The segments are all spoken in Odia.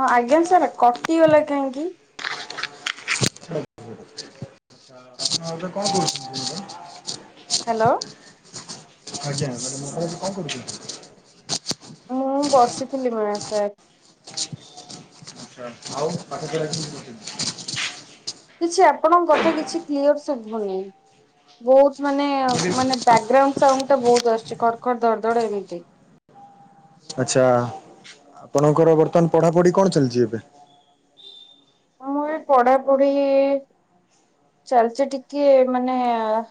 ହଁ ଆଜ୍ଞା ସାର୍ କଟିଗଲା କାହିଁକି। ଆ ଆପଣ ଏବେ କଣ କରଛନ୍ତି ମ୍ୟାଡ଼ାମ। [unintelligible] ହ୍ୟାଲୋ। ଆଜ୍ଞା ମୁଁ କହିଲି ଏବେ କଣ କରୁଛନ୍ତି। [unintelligible] ମୁଁ ବସିଥିଲି। [unintelligible] ଆଛା ହଉ ପାଠକଲା କି ବସ। [unintelligible] କିଛି ଆପଣଙ୍କ କଥା କିଛି କ୍ଲିୟର ସୁବୁନି। ବୋହୁତ ମାନେ ମାନେ ବ୍ୟାକଗ୍ରାଉଣ୍ଡ ସାଉଣ୍ଡ ଟା ବୋହୁତ ଆସୁଛି ଖଡ ଖଡ ଧଡ ଧଡ ଏମିତି। ଆଚ୍ଛା ଆପଣଙ୍କର ବର୍ତ୍ତମାନ ପଢାପଢି କଣ ଚାଲିଛି ଏବେ। ମୁଁ ଏ ପଢାପୁଢି। ଚାଲିଚ ଟିକେ ମାନେ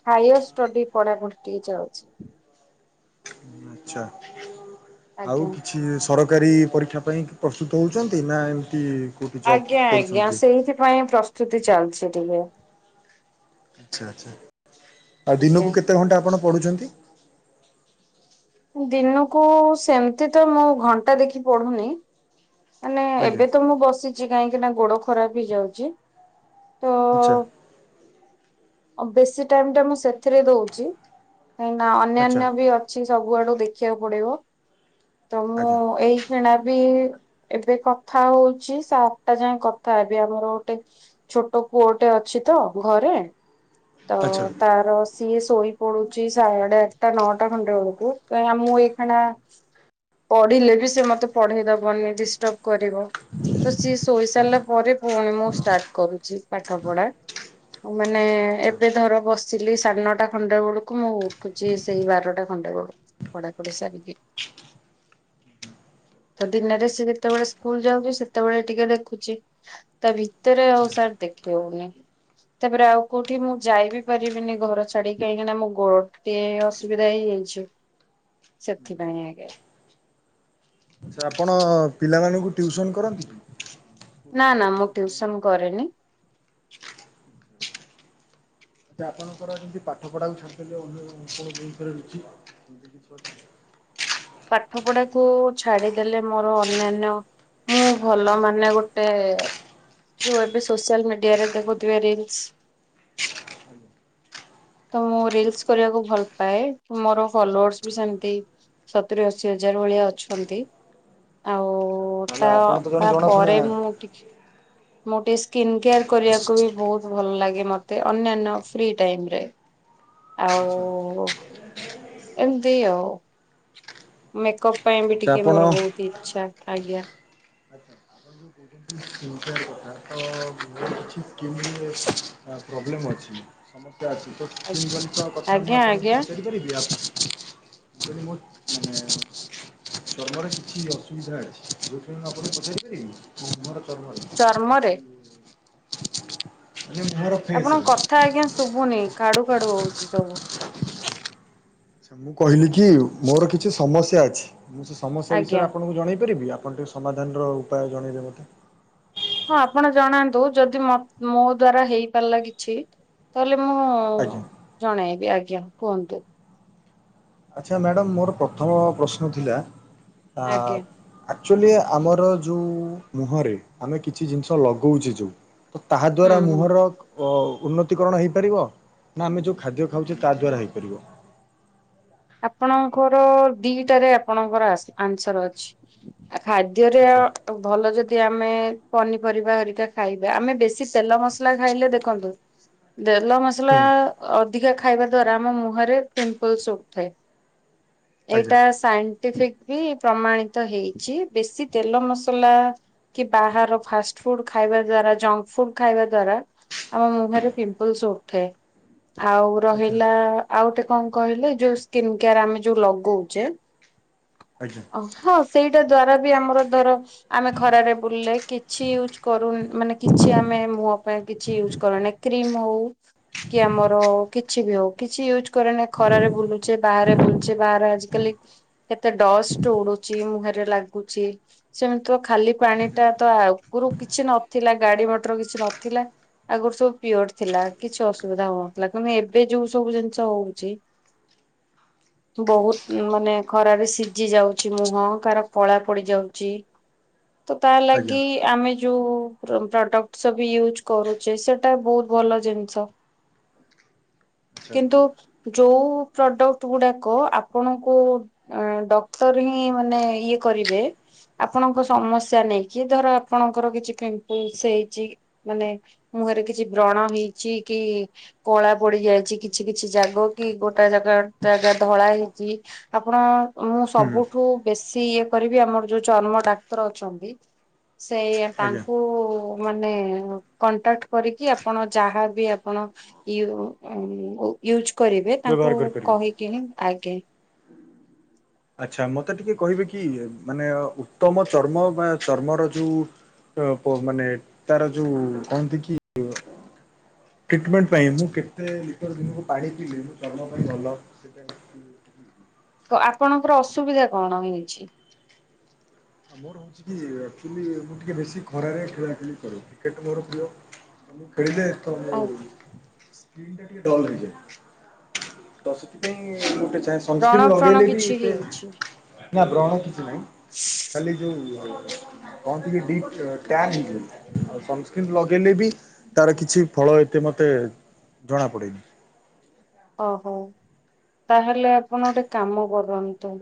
ହାୟର ଷ୍ଟଡି ପଢାପଢ଼ି ଟିକେ ଚାଲଛି। ଆଚ୍ଛା। ଆଉ ଆଜ୍ଞା କିଛି ସରକାରୀ ପରୀକ୍ଷା ପାଇଁ ପ୍ରସ୍ତୁତ ହେଉଛନ୍ତି ନା ଏମିତି। କେଉଁଠି ଜବ୍ ଆଜ୍ଞା ଆଜ୍ଞା କରୁଛନ୍ତି? ସେଇଥିପାଇଁ ପ୍ରସ୍ତୁତି ଚାଲିଚି ଟିକେ। ଆଛା ଆଛା ଆଉ ଆଜ୍ଞା ଦିନକୁ କେତେ ଘଣ୍ଟା ଆପଣ ପଢୁଛନ୍ତି। ଦିନକୁ ସେମିତି ତ ମୁଁ ଘଣ୍ଟା ଦେଖି ପଢୁନି। ମାନେ ଆଜ୍ଞା ଏବେ ତ ମୁଁ ବସିଛି କାହିଁକି ନା ଗୋଡ ଖରାପ ହେଇଯାଉଚି ତ। ଆଚ୍ଛା। ବେଶୀ ଟାଇମ ଟା ମୁଁ ସେଥିରେ ଦଉଚି। କାହିଁ ନା ଆଚ୍ଛା ଅନ୍ୟାନ୍ୟ ବି ଅଛି ସବୁ ଆଡୁ ଦେଖିବାକୁ ପଡିବ ତ ମୁଁ ଆଜ୍ଞା ଏଇ। ଏଣା ବି ଏବେ କଥା ହଉଚି ସାତଟା ଯାଏ କଥା ଏବେ ଆମର ଗୋଟେ ଛୋଟ ପୁଅଟେ ଅଛି ତ ଘରେ ତ ଆଚ୍ଛା ତାର। ସିଏ ଶୋଇ ପଡୁଚି ସାଢେ ଆଠଟା ନଅଟା ଖଣ୍ଡେ ବେଳକୁ ତ ମୁଁ ଏଇ ଖାନା। ପଢିଲେ ବି ସେ ମତେ ପଢେଇ ଦବନି। ଡିଷ୍ଟର୍ବ କରିବ ତ ସିଏ ଶୋଇ ଆଚ୍ଛା ସାରିଲା ଆଚ୍ଛା ପରେ ପୁଣି ମୁଁ ଷ୍ଟାର୍ଟ କରୁଛି ପାଠ ପଢା ମାନେ ଏବେ ଧର ବଶ୍। ସିଲେଇ ସାଢେ ନଅଟା ଖଣ୍ଡେ ବେଳକୁ ମୁଁ ଉଠୁଛି ସେଇ ବାରଟା ଖଣ୍ଡେ ବେଳକୁ ପଢା ପଢି ସାରିକି। [inaudible] ତ ଦିନରେ ସେ ଯେତେବେଳେ ସ୍କୁଲ ଯାଉଛି ସେତେବେଳେ ଟିକେ ଦେଖୁଛି। ତା ଭିତରେ ଆଉ ସାର୍ ଦେଖେଇ ହଉନି। ତାପରେ ଆଉ କୋଉଠି ମୁଁ ଯାଇ ବିି ପାରିବିନି ଘର ଛାଡି କାହିଁକି ନା ମୋ ଗୋ ଟିକେ ଅସୁବିଧା ହେଇଯାଇଛି। ସେଥି ପାଇଁ ଆଜ୍ଞା। ଆଚଛା ଆପଣ ପିଲାମାନଙ୍କୁ ଟ୍ୟୁଉସନ କରନ୍ତି କି? ନା ନା ମୁଁ ଟ୍ୟୁଉସନ କରେନି। ତ ଆପଣଙ୍କର ଯେମିତି ପାଠ ପଢାକୁ ଛାଡ଼ିଦେଲେ [unintelligible] ରୁଚି ପାଠ ପଢାକୁ ଛାଡିଦେଲେ ମୋର ଅନ୍ୟାନ୍ୟ। ମୁଁ ଭଲ ମାନେ ଗୋଟେ। ଜୁ ଏବେ ସୋସିଆଲ ମିଡିଆରେ ଦେଖୁଥିବେ ରିଲସ। ତ ମୁଁ ରିଲସ କରିବାକୁ ଭଲ ପାଏ ମୋର ଫଲୋର୍ସ ବି ସେମିତି। ସତୁୁର ଅଶୀ ହଜାର ଭଳିଆ ଅଛନ୍ତି ଆଉ। ନହେଲେ ତ ଆପଣ ଜଣେ ଜଣାଶୁଣା ତାପରେ ମୁଁ ଟିକେ। ମୋର ଟିକେ ସ୍କିନ୍ କେୟାର କରିବାକୁ ବି ବହୁତ ଭଲ ଲାଗେ ମତେ ଅନ୍ୟାନ୍ୟ ଫ୍ରି ଟାଇମ ରେ। ଆଚ୍ଛା ଆଉ। ଏମିତି ଆଉ ମେକଅପ ପାଇଁ ବି ଆଚ୍ଛା ଟିକେ ଆପଣ ମୋର ବହୁତ ଇଛା ଆଜ୍ଞା। ଆଚ୍ଛା କଥା ତ [unintelligible] ଛି କେମି ଆ ପ୍ରୋବ୍ଲେମ୍ ଅଛି। ସମସ୍ୟା ଅଛି ତକିମ୍ ଜନିତ କଥା ମୁଁ ଆଜ୍ଞା ଆପଣଙ୍କୁ ଆଜ୍ଞା ପଚାରି ପାରିବି ଆପ ଯଦି ମୁ ଚାନେ। ତମର କିଛି ଅସୁବିଧା ଅଛି ଯୋଉଥିପାଇଁ ଆପଣଙ୍କୁ ପଚାରିପାରିବି। ଚର୍ମରେ [unintelligible] ମୁହର। ଆପଣଙ୍କ କଥା ଆଜ୍ଞା ଶୁଭୁନି ଖାଡୁ ଖାଡୁ ହଉଛି ସବୁ। ଆଚ୍ଛା ମୁଁ କହିଲି କି ମୋର କିଛି ସମସ୍ୟା ଅଛି ମୁଁ ସେ ସମସ୍ୟା ଆଜ୍ଞା ବିଷୟରେ ଆପଣଙ୍କୁ ଜଣେଇ ପାରିବି ଆପଣ ଟିକେ? ସମାଧାନର ଉପାୟ ଜଣେଇଲେ ମୋତେ। ହଁ ଆପଣ ଜଣାନ୍ତୁ ଯଦିମତ ମୋ ଦ୍ଵାରା ହେଇପାରିଲା କିଛି ତାହେଲେ ମୁଁ। ହ ଆଜ୍ଞା ଜଣେଇବି ଆଜ୍ଞା କୁହନ୍ତୁ। ଆଚ୍ଛା ମ୍ୟାଡ଼ମ୍ ମୋର ପ୍ରଥମ ପ୍ରଶ୍ନ ଥିଲା ଆ ଆଜ୍ଞା ଆକ୍ଚୁଆଲି ଆମର ଯେଉଁ ମୁହଁରେ ଆମେ କିଛି ଜିନିଷ ଲଗଉଛି ଯେଉଁ‌। ତ ତାହା ଦ୍ଵାରା ହୁଁ ହୁଁ। ମୁହଁର। ଓ ଉନ୍ନତିକରଣ ହେଇପାରିବ ନା ଆମେ ଯଉ ଖାଦ୍ୟ ଖାଉଛେ ତା ଦ୍ୱାରା ହେଇପାରିବ। ଆପଣଙ୍କର ଦିଟାରେ ଆପଣଙ୍କର ଆସ ଆନ୍ସର ଅଛି ଆ ଖା ଦ୍ୟା ରେ। ଆଚ୍ଛା ତ ଭଲ ଯଦି ଆମେ ପନିପରିବାରିବା ହେରିକା ଖାଇବା ଆମେ ବେଶୀ ତେଲ ମସଲା ଖାଇଲେ ଦେଖନ୍ତୁ। ତେଲ ମସଲା ହୁଁ ଅଧିକା ଖାଇବା ଦ୍ଵାରା ଆମ ମୁହଁରେ ପିମ୍ପଲସ ଉଠଥାଏ। ଆଜ୍ଞା ଏଇଟା ସ ସାଇଣ୍ଟିଫିକ ବି ପ୍ରମାଣିତ ହେଇଛି ବେଶୀ ତେଲ ମସଲା। କି ବାହାର ଫାଷ୍ଟ ଫୁଡ ଖାଇବା ଦ୍ଵାରା ଜଙ୍କ ଫୁଡ ଖାଇବା ଦ୍ଵାରା। ଆମ ମୁହଁରେ ପିମ୍ପଲସ ଉଠେ। ଆଉ ଆଚ୍ଛା ରହିଲା ଆଉ ଗୋଟେ କଣ କହିଲେ ଯୋଉ ସ୍କିନ୍ କେୟାର ଆମେ ଯୋଉ ଲଗଉଛେ। ଆଜ୍ଞା। ଓ ହଁ ସେଇଟା ଦ୍ଵାରା ବି ଆମର ଧର। ଆମେ ଖରାରେ ବୁଲିଲେ କିଛି ୟୁଜ କରୁନ ମାନେ କିଛି ଆମେ ମୁହ ପାଇଁ କିଛି ୟୁଜ କରୁନ। କ୍ରିମ ହଉ କି ଆମର କିଛି ବି ହଉ କିଛି ୟୁଜ କରେନ ଖରାରେ ବୁଲି। ଛେ ବାହାରେ ବୁଲଛେ ବାହାରେ ଆଜିକାଲି। କେତେ ଡଷ୍ଟ ଉଡୁଚି ମୁହଁରେ ଲାଗୁଛି। ସେମିତି ତ ଖାଲି ପାଣି ଆଜ୍ଞା ଟା ତ ଆଗରୁ କିଛି ନଥିଲା ଗାଡି ମଟର କିଛି ନଥିଲା। ଆଗରୁ ସବୁ ପିଓର ଥିଲା କିଛି ଅସୁବିଧା ହଉନଥିଲା କିନ୍ତୁ ଏବେ ଯୋଉ ସବୁ ଜିନିଷ ହଉଛି। ବହୁତ ମାନେ ଖରାରେ ସିଝି ଯାଉଛି ମୁହଁ କାର କଳା ପଡି ଯାଉଛି। ହ‌। ତ ତା ଲାଗି ଆମେ ଯୋଉ ପ୍ର ପ୍ରଡକ୍ଟ ସବି ୟୁଜ୍ କରୁଚେ ସେଟା ବହୁତ ଭଲ ଜିନିଷ। [unintelligible] ଆଚ୍ଛା କିନ୍ତୁ ଯୋଉ ପ୍ରଡକ୍ଟ ଗୁଡାକ ଆପଣଙ୍କୁ ଅଁ, ଡକ୍ଟର ହିଁ ମାନେ ଇଏ କରିବେ ଆପଣଙ୍କ ସମସ୍ୟା ନେଇକି ଧର ଆପଣଙ୍କର କିଛି ପିମ୍ପଲସ୍ ହେଇଚି ମାନେ ମୁହଁରେ କିଛି ବ୍ରଣ ହେଇଛି କି କଳା ପଡି ଯାଇଛି କିଛି କିଛି ଜାଗ କି ଗୋ ଟା ଜାଗା ଟା ଗା ଧଳା ହେଇଚି, ଆପଣ ମୁଁ ହୁଁ ହୁଁ ସବୁଠୁ ବେଶୀ ଇଏ କରିବି ଆମର ଯୋଉ ଚର୍ମ ଡାକ୍ତର ଅଛନ୍ତି ସେଇଆ ଆଜ୍ଞା ତାଙ୍କୁ ମାନେ କଣ୍ଟାକ୍ଟ କରିକି ଆପଣ ଯାହାବି ଆପଣ ୟୁ ଅଁ, ଉ, ୟୁଜ୍ କରିବେ ବ୍ୟବହାର ତାଙ୍କୁ କରିପାରିବି। କହିକି ହିଁ ଆଗେ ଆଚ୍ଛା ମୋତେ ଟିକେ କହିବେ କି ମାନେ ଉତ୍ତମ ଚର୍ମ ବା ଚର୍ମର ଯୋଉ ଓ ପୁଅ ମାନେ ତାର ଯୋଉ କହନ୍ତି କି ଟ୍ରିଟମେଣ୍ଟ ପାଇଁ ମୁଁ କେତେ ଲିଟର ଦିନକୁ ପାଣି ପିଇଲେ ମୋ ଚର୍ମ ପାଇଁ ଭଲ। ସେଥିପାଇଁ କ-ଆପଣଙ୍କର ଅସୁବିଧା କଣ ହେଇଛି? ମୋର ହଉଛି କି ଆକ୍ଚୁଲି ମୁଁ ଟିକେ ବେଶୀ ଖରାରେ ଖେଳାଖେଳି କରେ। କ୍ରିକେଟ୍ ମୋର ପ୍ରିୟ। ମୁଁ ଖେଳିଲେ ତ ମୋ ଆଉ ସ୍କିନ୍ ଟା ଟିକେ ଡଲ୍ ହେଇଯାଏ। ତ ସେଥିପାଇଁ ମୁଁ ଗୋଟେ ଚାହେଁ ସନସ୍କ୍ରିନ୍ ବ୍ରଣ ଫ୍ରଣ ଲଗେଇଲେ ବି କିଛି ଏତେ ହେଇଛି? ନା ବ୍ରଣ କିଛି ନାହିଁ। ଖାଲି ଯୋଉ କଣ ଟିକେ ଡି ଅ, ଟ୍ୟାନ୍ ହେଇ [inaudible] ଆଉ ସନସ୍କ୍ରିନ୍ ଲଗେଇଲେ ବି ତାର କିଛି ଫଳ ଏତେ ମୋତେ ଜଣା ପଡେନି। ଓହୋ! ତାହେଲେ ଆପଣ ଗୋଟେ କାମ କରନ୍ତୁ।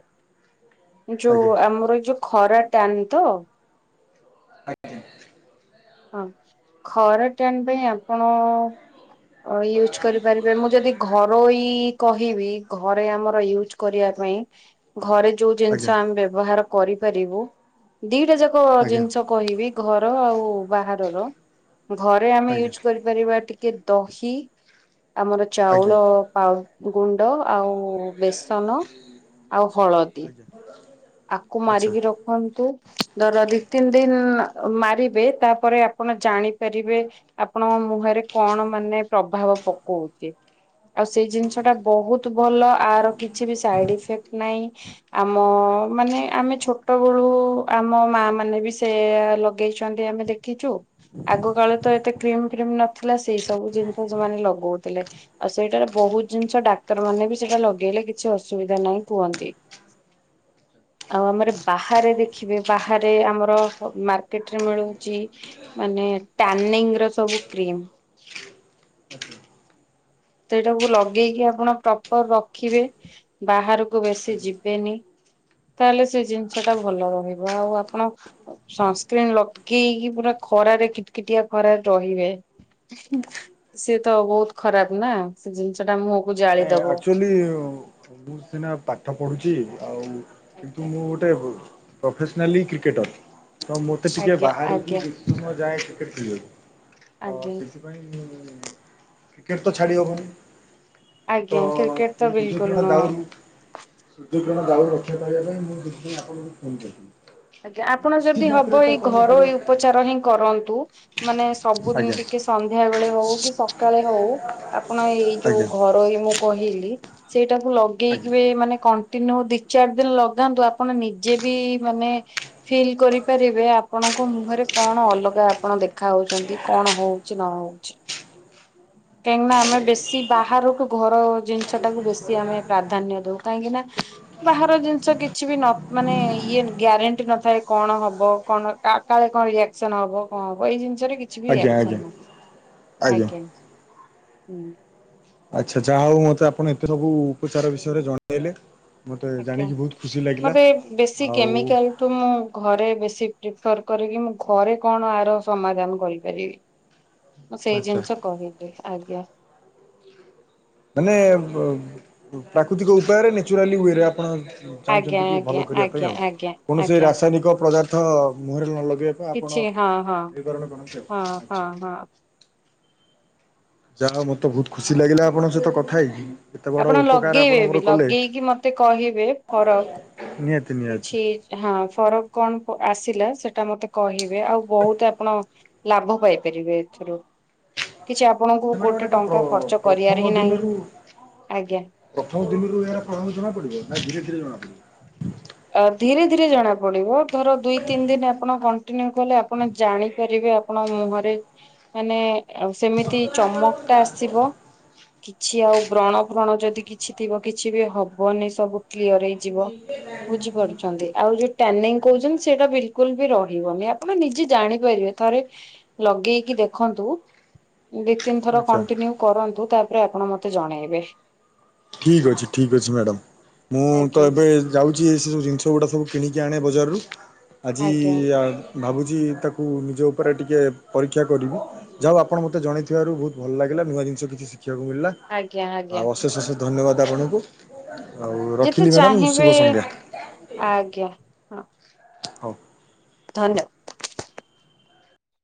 ଯୋଉ ଆଜ୍ଞା। ଆମର ଏଇ ଯୋଉ ଖରା ଟାନ୍ ତ? ଆଜ୍ଞା। ହଁ ଖରା ଟ୍ୟାନ୍ ପାଇଁ ଆପଣ ଅ, ୟୁଜ୍ କରିପାରିବେ, ମୁଁ ଯଦି ଘରୋଇ କହିବି ଘରେ ଆମର ୟୁଜ୍ କରିବା ପାଇଁ। ଘରେ ଯୋଉ ଆଜ୍ଞା ଜିନିଷ ଆମେ ବ୍ୟବହାର କରିପାରିବୁ ଦିଟା ଯାକ ଆଜ୍ଞା ଜିନିଷ କହିବି ଘର ଆଉ ବାହାରର। ଘରେ ଆମେ ୟୁଜ୍ ଆଜ୍ଞା କରିପାରିବା ଟିକେ ଦହି ଆମର ଚାଉଳ ପାଉ, ଗୁଣ୍ଡ ଆଉ ବେସନ ଆଉ ହଳଦୀ [unintelligible] ଆକୁ ଆଚ୍ଛା। ମାରିକି ରଖନ୍ତୁ। ଧର ଦି ତିନି ଦିନ ମାରିବେ ତାପରେ ଆପଣ ଜାଣିପାରିବେ ଆପଣଙ୍କ ମୁହଁରେ କଣ ମାନେ ପ୍ରଭାବ ପକଉଚି। ଆଉ ସେଇ ଜିନିଷ ଟା ବହୁତ ଭଲ ଆର କିଛି ବି ସାଇଡ ଇଫେକ୍ଟ ନାହିଁ। ଆମ ମାନେ ଆମେ ଛୋଟ ବଳୁ ଆମ ମା ମାନେ ବି ସେୟା ଲଗେଇଛନ୍ତି ଆମେ ଦେଖିଛୁ। ଆଗ କାଳେ ତ ଏତେ କ୍ରିମ୍ ଫ୍ରିମ୍ ନଥିଲା ସେଇ ସବୁ ଜିନିଷ ସେମାନେ ଲଗଉଥିଲେ। ଆଉ ସେଇଟାରେ ବହୁତ ଜିନିଷ ଡାକ୍ତର ମାନେ ବି ସେଇଟା ଲଗେଇଲେ କିଛି ଅସୁବିଧା ନାହିଁ କୁହନ୍ତି। ଆଉ ଆମର ବାହାରେ ଦେଖିବେ ବାହାରେ ଆମର ମାର୍କେଟ୍ ରେ ମିଳୁଚି ମାନେ ଟାନିଙ୍ଗ ର ସବୁ କ୍ରିମ୍। ସେଇଟାକୁ ଲଗେଇକି ଆପଣ ପ୍ରପର୍ ରଖିବେ ବାହାରକୁ ବେଶୀ ଯିବେନି। ତାହେଲେ ସେ ଜିନିଷ ଟା ଭଲ ରହିବ। ଆଉ ଆପଣ ସନସ୍କ୍ରିିନ୍ ଲଗେଇକି ପୁରା ଖରାରେ କିଟ କିିଟିଆ ଖରାରେ ରହିବେ। ସିଏ ତ ବହୁତ ଖରାପ ନା ସେ ଜିନିଷ ଟା ମୁହଁ କୁ ଜାଳିଦବ। ଥିଲି ମୁଁ ସିନା ପାଠ ପଢୁଛି, ଆଉ କିନ୍ତୁ ଆଜ୍ଞା ମୁଁ ଗୋଟେ ପ୍ରଫେସନାଲି କ୍ରିକେଟର୍ ତ ମୋତେ ଟିକେ ଆଜ୍ଞା ବାହାରକୁ ଆଜ୍ଞା ଯି ମୁଁ ମୋ ଯାଏ କ୍ରିକେଟ୍ ଖେଳିବାକୁ ତ ଆଜ୍ଞା ସେଥିପାଇଁ ମୁଁ କେତ ତ ଛାଡିବ କହନି ତ ଆଜ୍ଞା କ୍ରିକେଟ ତ ସେଇ ସୂର୍ଯ୍ୟ ବିଲକୁଲ କିରଣ ନୁହଁ। ଦାଉରୁ ସୂର୍ଯ୍ୟ କିରଣ ଦାଉରୁ ରକ୍ଷା ପାଇବା ପାଇଁ ମୁଁ ସେଥିପାଇଁ ଆପଣଙ୍କୁ ଫୋନ କରିଥିଲି। ଆଜ୍ଞା ଆପଣ କିଛି ଯଦି ହବ ମାତ୍ରାରେ ତ ଏଇ କମେଇ ଘରୋଇ ପାରିବ। ଉପଚାର ହିଁ କରନ୍ତୁ ମାନେ ସବୁଦିନ ଆଜ୍ଞା ଟିକେ ସନ୍ଧ୍ୟାବେଳେ ହଉ କି ସକାଳେ ହଉ ଆପଣ ଏଇ ଯୋଉ ଆଜ୍ଞା ଘର ଏଇ ମୁଁ କହିଲି ସେଇଟାକୁ ଲଗେଇକି ଆଜ୍ଞା ବି ମାନେ କ କଣ୍ଟିନିୟୁ ଦି ଚାରି ଦିନ ଲଗାନ୍ତୁ ଆପଣ ନିଜେ ବି ମାନେ ଫିଲ୍ କରିପାରିବେ ଆପଣଙ୍କ ମୁହଁରେ କଣ ଅଲଗା ଆପଣ ଦେଖା ହଉଛନ୍ତି କଣ ହଉ ଚି ନ ହଉଛି। କାହିଁକି ନା ଆମେ ବେଶୀ ବାହାରକୁ ଘର ଜିନିଷ ଟାକୁ ବେଶୀ ଆମେ ପ୍ରାଧାନ୍ୟ ଦଉ କାହିଁକି ନା ବାହାର ଜିନିଷ କିଛି ବି ନ ମାନେ ଇଏ ଗ୍ୟାରେଣ୍ଟି ନଥାଏ କଣ ହବ କଣ କା କାଳେ କଣ ରିଆକ୍ସନ ହବ କଣ ହବ ଏଇ ଜିନିଷରେ କିଛି ବି ଆଜ୍ଞା ରିଆକ୍ସନ ଆଜ୍ଞା ନାହିଁ ଆଜ୍ଞା ହୁଁ ଆଚ୍ଛା ଆଚ୍ଛା ଯାହାହଉ ମତେ ଆପଣ ଏତେ ସବୁ ଉପଚାର ବିଷୟରେ ଜଣେଇଲେ ମତେ ଆଜ୍ଞା ଜାଣିକି ବହୁତ ଖୁସି ଲାଗିଲା ମତେ ବେଶୀ ଆଉ କେମିକାଲ ଠୁ ମୁଁ ଘରେ ବେଶୀ ପ୍ରିଫର କରିକି ମୁଁ ଘରେ କଣ ଆର ସମାଧାନ କରିପାରିବି। [inaudible] ମୁଁ ସେଇ ଜିନିଷ କହିଦିଏ ଆଜ୍ଞା ମାନେ ପ୍ରାକୃତିକ ଉପାୟରେ ନେଚୁରାଲି ୱେରେ ଆପଣ ଆଜ୍ଞା ଚାହୁଁଛନ୍ତି କି ଆଜ୍ଞା ଭଲ କରିବା ପାଇଁ ଆଜ୍ଞା ଆଉ ଆଜ୍ଞା କୌଣସି ଆଜ୍ଞା ରାସାୟନିକ ପଦାର୍ଥ ମୁହଁରେ ନ ଲଗେଇ ତ କିଛି ଆପଣ ହଁ ହଁ। ବିବରଣ କରନ୍ତୁ ହଁ ଆଉ ହଁ ଆଚ୍ଛା ହଁ ଯାହାହୋଉ ମତେ ବହୁତ ଖୁସି ଲାଗିଲା ଆପଣଙ୍କ ସହିତ କଥା ହେଇକି। ଏତେ ବଡ଼ ଆପଣ ଉପକାର ଆପଣ ଲଗେଇବେ ମୋର ବି କଲେ ଲଗେଇକି ମତେ କହିବେ ଫରକ ନିହାତି ନିହାତି କିଛି ହଁ ଫରକ କଣ ଆସିଲା ସେଟା ମତେ କହିବେ ଆଉ ବହୁତ ଆପଣ ଲାଭ ପାଇପାରିବେ ଏଥିରୁ କିଛି ଆପଣଙ୍କୁ ଆଚ୍ଛା ମ୍ୟାଡ଼ାମ ଏଇଟା ଗୋଟେ କଣ ପ୍ର ଟଙ୍କା ଖର୍ଚ୍ଚ ପ୍ରଥମ କରିବାର ହିଁ ନାହିଁ ଦିନରୁ ଆଜ୍ଞା। ପ୍ରଥମ ଦିନରୁ ଏହାର ପ୍ରଥମେ ଜଣା ପଡିବ ନା ଧୀରେ ଧୀରେ ଜଣା ପଡିବ? ଆ ଧୀରେ ଧୀରେ ଜଣା ପଡିବ। ଧର ଦୁଇ ତିନି ଦିନ ଆପଣ କଣ୍ଟିନ୍ୟୁ କଲେ ଆପଣ ଜାଣିପାରିବେ ଆପଣ ମୁହଁରେ ମାନେ ଆଉ ସେମିତି ଚମକଟା ଆସିବ କିଛି ଆଉ ବ୍ରଣ ଫ୍ରଣ ଯଦି କିଛିଥିବ କିଛି ବି ହବନି ସବୁ କ୍ଲିୟର ହେଇଯିବ। ବୁଝିପାରୁଛନ୍ତି ଆଉ ଯୋଉ ଟ୍ୟାନିଙ୍ଗି କହୁଛନ୍ତି ସେଇଟା ବିଲକୁଲ ବି ରହିବନି ଆପଣ ନିଜେ ଜାଣିପାରିବେ ଥରେ ଲଗେଇକି ଦେଖନ୍ତୁ। ଦି ତିନି ଥର ଆଚ୍ଛା କଣ୍ଟିନ୍ୟୁ କରନ୍ତୁ ତାପରେ ଆପଣ ମତେ ଜଣେଇବେ। ଠିକ୍ ଅଛି ଠିକ୍ ଅଛି ମ୍ୟାଡ଼ାମ୍ ମୁଁ ତ ଆଜ୍ଞା ଏବେ ଯାଉଛି ଏ ସେ ସବୁ ଜିନିଷ ଗୁଡ଼ା ସବୁ କିଣିକି ଆଣେ ବଜାରରୁ ଆଜି ଆଜ୍ଞା ଆ ଭାବୁଛି ତାକୁ ନିଜ ଉପରେ ଟିକିଏ ପରୀକ୍ଷା କରିବି। ଯାହଉ ଆପଣ ମତେ ଜଣେଇଥିବାରୁ ବହୁତ ଭଲ ଲାଗିଲା। ନୂଆ ଜିନିଷ କିଛି ଶିଖିବାକୁ ମିଳିଲା। ଆଜ୍ଞା ଆଜ୍ଞା ଆଉ ଅଶେଷ ଅଶେଷ ଧନ୍ୟବାଦ ଆପଣଙ୍କୁ ଆଉ ଯେତେ ରଖିଲି ମ୍ୟାଡ଼ାମ ଚାହିଁବେ ଶୁଭ ସଂଧ୍ୟା। ଆଜ୍ଞା ହଉ ଧନ୍ୟ